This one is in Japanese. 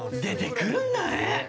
出てくるんだね！